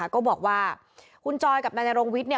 ก็บอกว่าคุณจอยกับนายนรงวิทย์